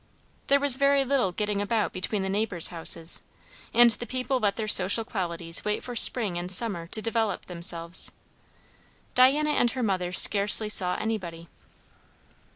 There was very little getting about between the neighbours' houses; and the people let their social qualities wait for spring and summer to develope themselves. Diana and her mother scarcely saw anybody.